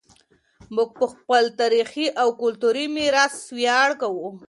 موږ په خپل تاریخي او کلتوري میراث ویاړ کوو.